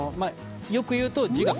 よく言うと。